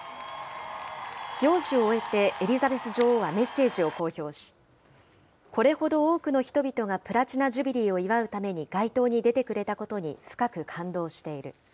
行事を終えてエリザベス女王はメッセージを公表し、これほど多くの人々がプラチナ・ジュビリーを祝うために街頭に出てくれたことに、深く感動している。